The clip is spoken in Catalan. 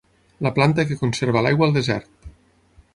La planta que conserva l'aigua al desert.